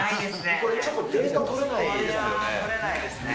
これ、ちょっとデータ取れな取れないですね。